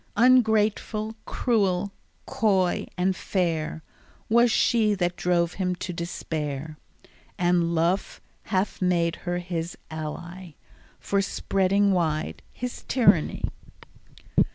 Ungrateful, cruel, coy, and fair, Was she that drove him to despair, And Love hath made her his ally For spreading wide his tyranny.